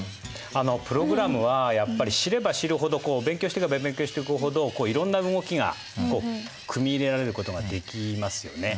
プログラムはやっぱり知れば知るほど勉強していけば勉強していくほどいろんな動きが組み入れられることができますよね。